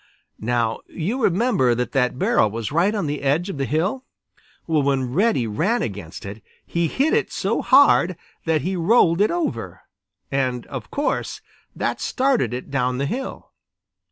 Now you remember that that barrel was right on the edge of the hill. When Reddy ran against it, he hit it so hard that he rolled it over, and of course that started it down the hill.